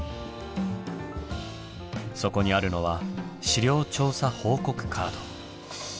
そこにあるのは「資料調査報告カード」。